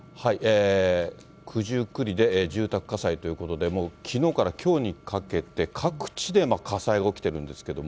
九十九里で住宅火災ということで、もうきのうからきょうにかけて、各地で火災が起きてるんですけれども。